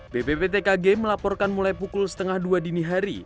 bpptkg melaporkan mulai pukul setengah dua dini hari